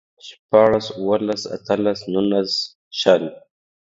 شپاړلس، اوولس، اتلس، نولس، شل